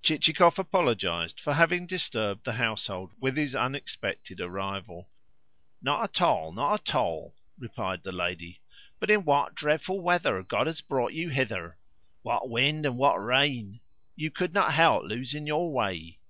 Chichikov apologised for having disturbed the household with his unexpected arrival. "Not at all, not at all," replied the lady. "But in what dreadful weather God has brought you hither! What wind and what rain! You could not help losing your way.